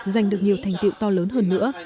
giành được nhiều thành tiệu to lớn hơn nữa